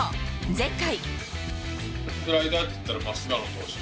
前回。